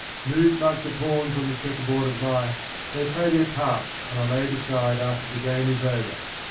Moved like the pawns on the checkerboard of life, they play their parts and are laid aside after the game is over.